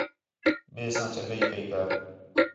ٻئے ساں چَنڳائی کَئی کر